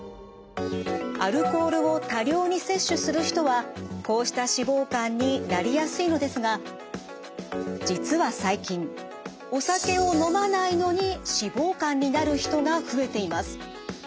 アルコールを多量に摂取する人はこうした脂肪肝になりやすいのですが実は最近お酒を飲まないのに脂肪肝になる人が増えています。